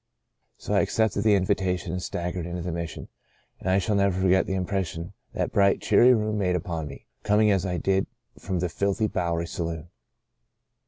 So I accepted the invitation and staggered into the Mission, and I shall never forget the impression that bright, cheery room made upon me, coming as I did from 192 Saved to the Uttermost the filthy Bowery saloon.